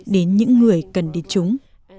đến những người cần đến chúng